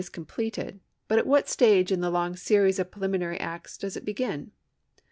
We know when a crime is completed, but at what stage in the long series of pre liminary acts does it begin